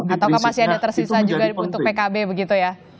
atau masih ada tersisa juga untuk pkb begitu ya